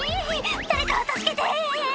「誰か助けて！」